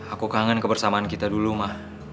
aku kangen kebersamaan kita dulu mah